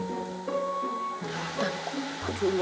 tentangku aku juga